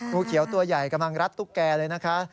งูเขียวตัวใหญ่กำลังรัดตุ๊กแก่เลยนะคะ